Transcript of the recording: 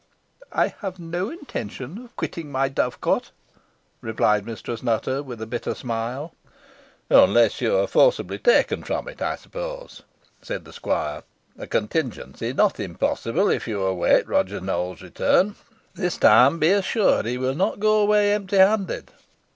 "I have no intention of quitting my dovecot," replied Mistress Nutter, with a bitter smile. "Unless you are forcibly taken from it, I suppose," said the squire; "a contingency not impossible if you await Roger Nowell's return. This time, be assured, he will not go away empty handed."